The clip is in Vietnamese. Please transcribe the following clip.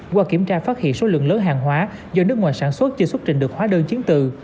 qua kiểm tra phát hiện số lượng lớn hàng hóa do nước ngoài sản xuất chưa xuất trình được hóa đơn chứng từ